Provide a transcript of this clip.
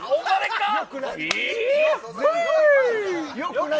よくない。